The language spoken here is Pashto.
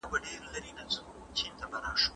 د ملکیار هوتک په کلام کې د مینې او محبت پیغام دی.